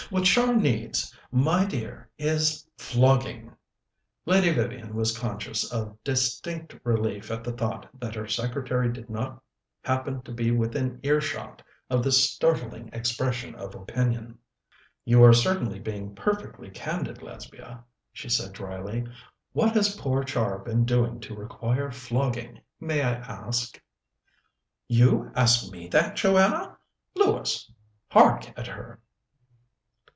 What Char needs, my dear, is flogging." Lady Vivian was conscious of distinct relief at the thought that her secretary did not happen to be within earshot of this startling expression of opinion. "You are certainly being perfectly candid, Lesbia," she said dryly. "What has poor Char been doing to require flogging, may I ask?" "You ask me that, Joanna! Lewis, hark at her!"